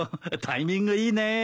タイミングいいねえ。